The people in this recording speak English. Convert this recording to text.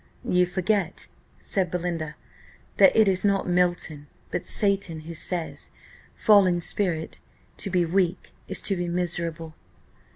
"You forget," said Belinda, "that it is not Milton, but Satan, who says, 'Fallen spirit, to be weak is to be miserable.